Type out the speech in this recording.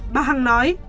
bà hằng nói